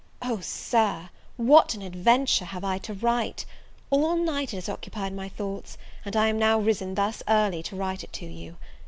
O SIR, what and adventure have I to write! all night it has occupied my thoughts, and I am now risen thus early to write it to you.